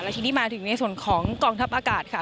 ทีนี้มาถึงในส่วนของกองทัพอากาศค่ะ